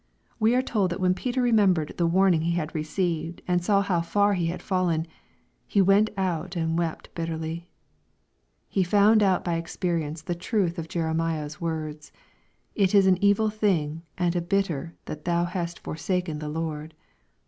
We are told that when Peter remembered the warning he had received, and saw how far he had fallen, " he went out and wept bitterly/' He found out by experience the truth of Jeremiah's words, f ^^ It is an evil thing and a bitter that thou hast forsaken f the Lord."